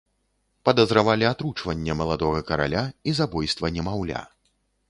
Падазравалі атручванне маладога караля і забойства немаўля.